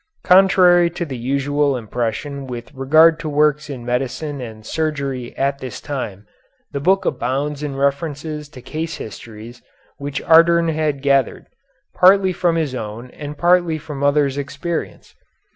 Contrary to the usual impression with regard to works in medicine and surgery at this time, the book abounds in references to case histories which Ardern had gathered, partly from his own and partly from others' experience.